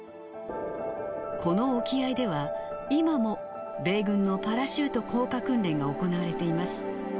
この沖合では、今も米軍のパラシュート降下訓練が行われています。